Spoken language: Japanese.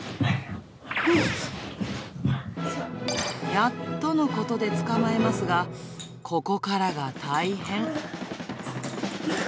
やっとのことで捕まえますが、ここからが大変。